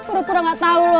udah pulang gak tau lo